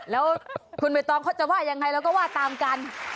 แล้วคุณใบตองเขาจะว่ายังไงเราก็ว่าตามกัน